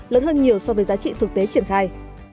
lớn hơn nhiều so với giá trị thực tế triển khai